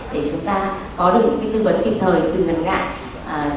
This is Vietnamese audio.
để chúng ta có được những cái tư vấn kịp thời từ ngần ngại